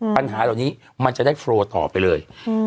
ปัญหาเหล่านี้มันจะได้โฟลต่อไปเลย